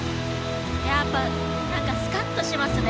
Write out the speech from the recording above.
やっぱ何かスカッとしますね。